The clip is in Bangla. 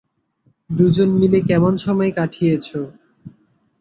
দুজন মিলে কেমন সময় কাটিয়েছো?